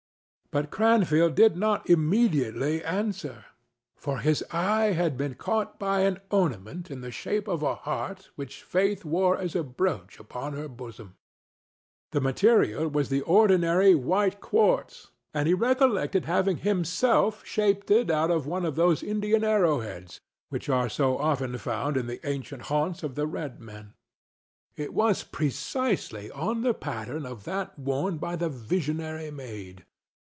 But Cranfield did not immediately answer, for his eye had, been caught by an ornament in the shape of a heart which Faith wore as a brooch upon her bosom. The material was the ordinary white quartz, and he recollected having himself shaped it out of one of those Indian arrowheads which are so often found in the ancient haunts of the red men. It was precisely on the pattern of that worn by the visionary maid.